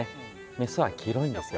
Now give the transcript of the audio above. メスは黄色いんですよ。